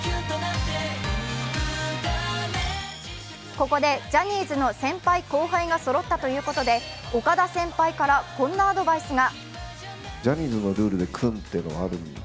ここでジャニーズの先輩・後輩がそろったということで岡田先輩からこんなアドバイスが。